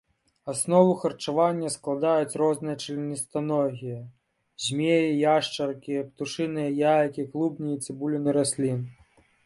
Аснову харчавання складаюць розныя членістаногія, змеі, яшчаркі, птушыныя яйкі, клубні і цыбуліны раслін.